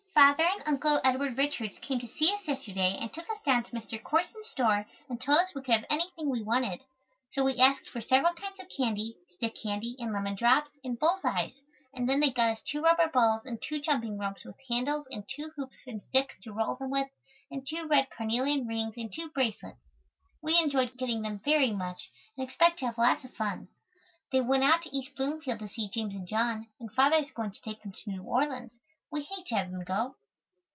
_ Father and Uncle Edward Richards came to see us yesterday and took us down to Mr. Corson's store and told us we could have anything we wanted. So we asked for several kinds of candy, stick candy and lemon drops and bulls' eyes, and then they got us two rubber balls and two jumping ropes with handles and two hoops and sticks to roll them with and two red carnelian rings and two bracelets. We enjoyed getting them very much, and expect to have lots of fun. They went out to East Bloomfield to see James and John, and father is going to take them to New Orleans. We hate to have them go.